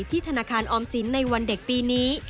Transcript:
ธนาคารออมสินในวันเด็กปีนี้